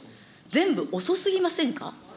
全部遅すぎませんか。